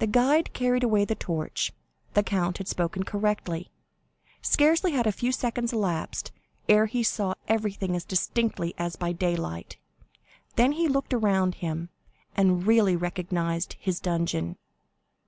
The guide carried away the torch. The count had spoken correctly. Scarcely had a few seconds elapsed, ere he saw everything as distinctly as by daylight. Then he looked around him, and really recognized his dungeon.